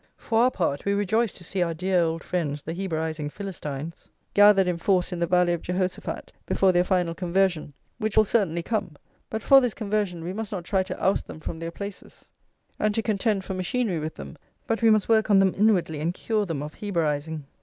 For our part, we rejoice to see our dear old friends, the Hebraising Philistines, gathered in force in the Valley of Jehoshaphat before their final conversion, which will certainly come; but for this conversion we must not try to oust them from their places, and to contend for machinery with them, but we must work on them inwardly and cure them of Hebraising.